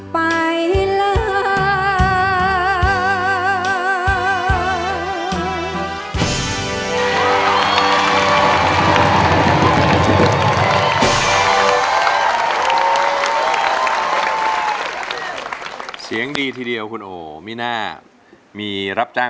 เพลิดรักกันลัน